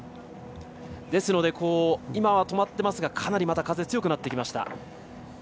ですので、今は止まっていますがかなり風、強くなってきました。